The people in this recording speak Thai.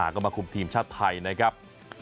ก็มาคุมทีมชาติไทยนะครับ